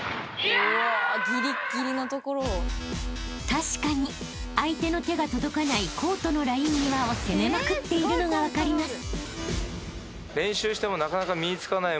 ［確かに相手の手が届かないコートのライン際を攻めまくっているのが分かります］